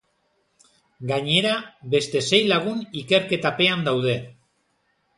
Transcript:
Gainera, beste sei lagun ikerketapean daude.